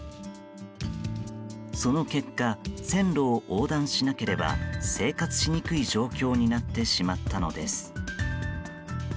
その結果、線路を横断しなければ生活しにくい状況になってしまったのです。